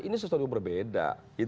ini sesuatu berbeda